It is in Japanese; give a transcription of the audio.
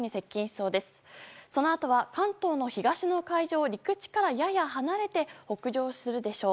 そのあとは関東の東の海上を陸地からやや離れて北上するでしょう。